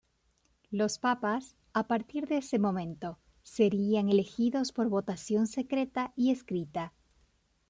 Los Papas, a partir de ese momento, serían elegidos por votación secreta y escrita.